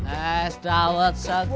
asawat segar bukar